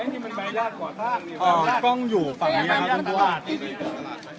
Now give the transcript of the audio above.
นี่มันใบญาติก่อทางต้องอยู่ฝั่งนี้ครับคุณผู้อาทิตย์